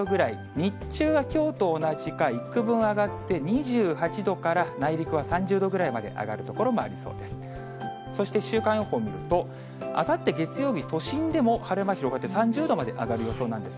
日中はきょうと同じか、いくぶん上がって、２８度から内陸は３０度くらいまで上がる所もありそうです。